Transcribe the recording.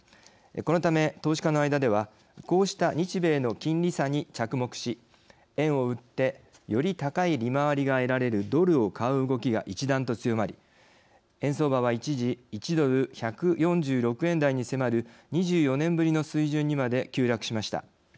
このため投資家の間ではこうした日米の金利差に着目し円を売ってより高い利回りが得られるドルを買う動きが一段と強まり円相場は一時１ドル１４６円台に迫る２４年ぶりの水準にまで急落しました。